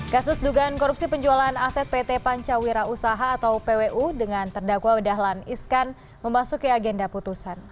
kasus dugaan korupsi penjualan aset pt pancawira usaha atau pwu dengan terdakwa dahlan iskan memasuki agenda putusan